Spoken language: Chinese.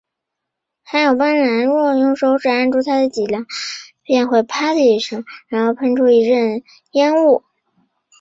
还有斑蝥，倘若用手指按住它的脊梁，便会啪的一声，从后窍喷出一阵烟雾